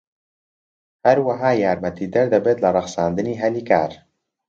هەروەها یارمەتیدەر دەبێت لە ڕەخساندنی هەلی کار.